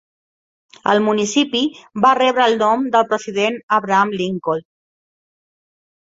El municipi va rebre el nom del president Abraham Lincoln.